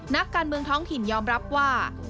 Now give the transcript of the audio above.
นักการเมืองท้องถิ่นยอมรับว่า